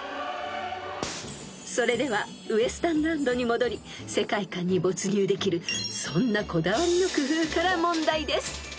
［それではウエスタンランドに戻り世界観に没入できるそんなこだわりの工夫から問題です］